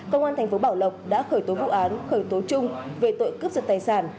công an tp bảo lộc đã khởi tố vụ án khởi tố chung về tội cướp giật tài sản